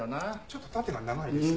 ちょっと縦が長いです。